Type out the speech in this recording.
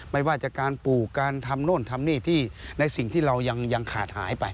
ไม่ว่าจากการปลูกการทำโน่นทำนี่ที่ในสิ่งที่เรายังขาดหายไป